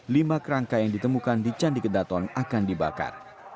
lima kerangka yang ditemukan di candi kedaton akan dibakar